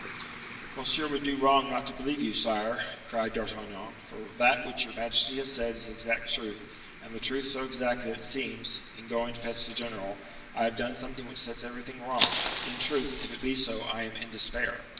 "Monsieur would do wrong not to believe you, sire," cried D'Artagnan: "for that which your majesty has said is the exact truth, and the truth so exact that it seems, in going to fetch the general, I have done something which sets everything wrong. In truth, if it be so, I am in despair."